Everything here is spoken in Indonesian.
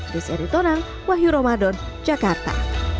desa ritona wahyu romadhon jakarta